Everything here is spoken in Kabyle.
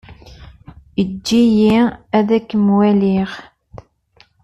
Ejj-iyi ad kem-waliɣ.